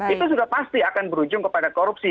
itu sudah pasti akan berujung kepada korupsi